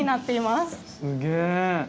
すげえ。